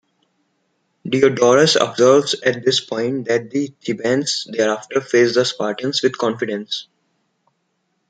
Diodorus observes at this point that the Thebans thereafter faced the Spartans with confidence.